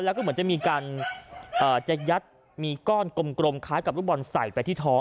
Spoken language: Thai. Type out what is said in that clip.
แล้วก็เหมือนจะมีการจะยัดมีก้อนกลมคล้ายกับลูกบอลใส่ไปที่ท้อง